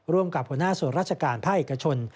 ร่วมกับหัวหน้าส่วนราชการภาคเอกชน